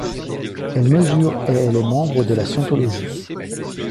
Elle mesure et elle est membre de la scientologie.